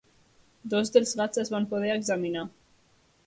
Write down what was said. Dos dels gats es van poder examinar.